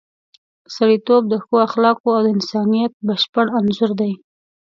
سړیتوب د ښو اخلاقو او د انسانیت بشپړ انځور دی.